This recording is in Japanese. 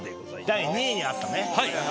第２位にあったね。